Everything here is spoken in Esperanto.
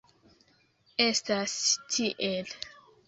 Estas tiel.